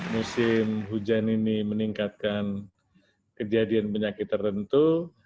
musim hujan ini meningkatkan kejadian penyakit tertentu